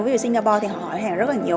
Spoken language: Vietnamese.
ví dụ như singapore thì họ hàng rất là nhiều